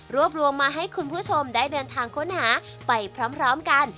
รวมมาให้คุณผู้ชมได้เดินทางค้นหาไปพร้อมกัน